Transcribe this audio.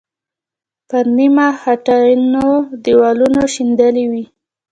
پر نیمه خټینو دیوالونو شیندلې وې.